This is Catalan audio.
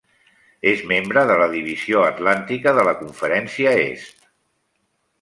És membre de la Divisió Atlàntica de la Conferència Est.